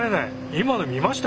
今の見ました？